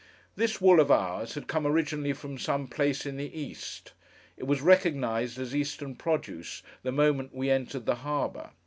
This wool of ours, had come originally from some place in the East. It was recognised as Eastern produce, the moment we entered the harbour.